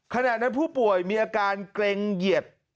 ขณะนั้นผู้ป่วยมีอาการเกร็งเหยียด